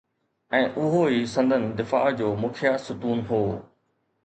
۽ اهو ئي سندن دفاع جو مکيه ستون هو.